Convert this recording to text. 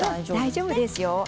大丈夫です。